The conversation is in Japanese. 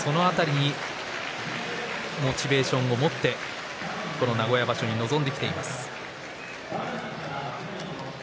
モチベーションを持ってこの名古屋場所に臨んできています。